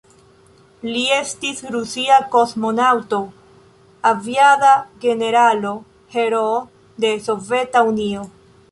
Li estis rusia kosmonaŭto, aviada generalo, heroo de Soveta Unio.